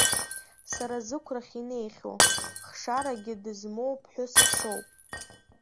Сара зықәрахь инеихьоу, хшарагьы дызмоуа ԥҳәыск соуп!